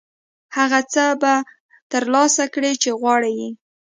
هغه څه به ترلاسه کړې چې غواړې یې.